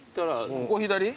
ここ左？